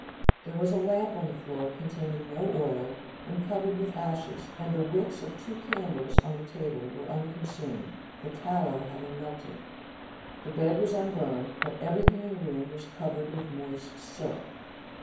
There was a lamp on the floor, containing no oil and covered with ashes, and the wicks of two candles on the table were unconsumed, the tallow having melted. The bed was unburned, but everything in the room was covered with moist soot.